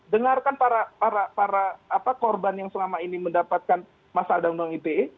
dengarkan para korban yang selama ini mendapatkan masalah dan undang ite